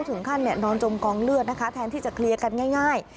นอนจมกองเลือดนะคะแทนที่จะเคลียร์กันง่าย